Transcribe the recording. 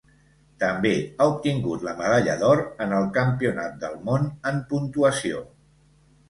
També ha obtingut la medalla d'or en el Campionat del món en Puntuació.